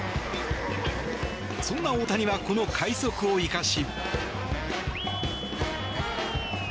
そんな大谷はこの快足を生かし。